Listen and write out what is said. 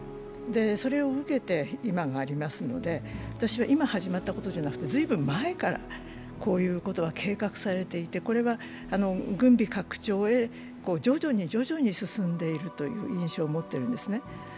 それを受けて今がありますので私は、今始まったことでは随分前からこういうことが計画されていて、これは軍備拡張へ徐々に徐々に進んでいるという印象を持っているんですね。